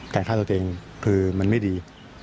แต่ค่าตัวตัวเองคือมันไม่ดี